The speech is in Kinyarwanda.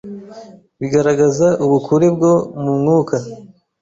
bigaragaza ubukure bwo mu mwuka